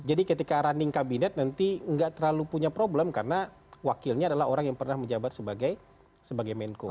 jadi ketika running kabinet nanti gak terlalu punya problem karena wakilnya adalah orang yang pernah menjabat sebagai menko